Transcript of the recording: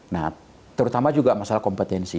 nah terutama juga masalah kompetensi